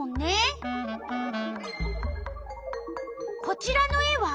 こちらの絵は？